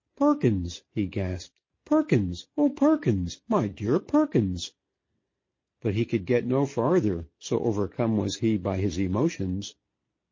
"Perkins!" he gasped. "Perkins! Oh, Perkins! My dear Perkins!" But he could get no farther, so overcome was he by his emotions.